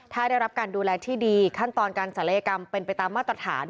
ถ้าได้รับการดูแลที่ดีขั้นตอนการศัลยกรรมเป็นไปตามมาตรฐาน